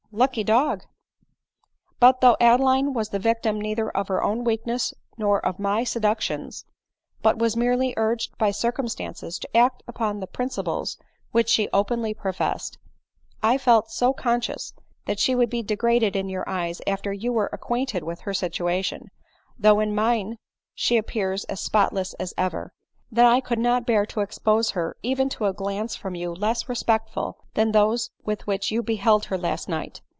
" Lucky dog !"" But though Adeline was the victim neither of her own weakness nor of my seductions, but was merely urged by circumstances to act up to the principles which she openly professed, I felt so conscious that she would be degraded in your eyes after you were acquainted with her situation, though in mine she appears as spotless as ever, that I could not bear to expose her even to a glance from you less respectful than those with which you beheld her last night.